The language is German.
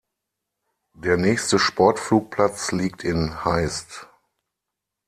Der nächste Sportflugplatz liegt in Heist.